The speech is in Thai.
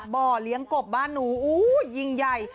บ่อเลี้ยงกบบ้านหนูอู้ยิ่งใหญ่